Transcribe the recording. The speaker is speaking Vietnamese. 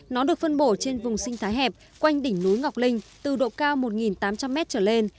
nó được phân bổ trên vùng sinh thái hẹp quanh đỉnh núi ngọc linh từ độ cao một tám trăm linh m trở lên